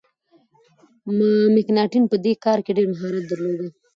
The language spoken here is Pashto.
مکناټن په دې کار کي ډیر مهارت درلود.